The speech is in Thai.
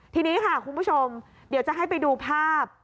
ทีนี้ค่ะคุณผู้ชมเดี๋ยวจะให้ไปดูภาพ